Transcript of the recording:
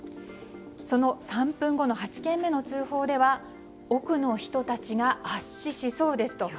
その３分後の８件目の通報では奥の人たちが圧死しそうですと。